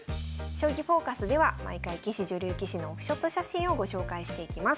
「将棋フォーカス」では毎回棋士女流棋士のオフショット写真をご紹介していきます。